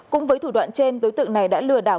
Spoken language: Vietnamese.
cũng với thủ đoạn trên đối tượng này đã lừa đảo